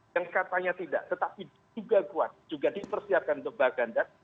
yang katanya tidak tetapi juga kuat juga dipersiapkan untuk baganda